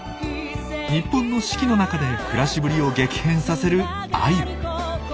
日本の四季の中で暮らしぶりを激変させるアユ。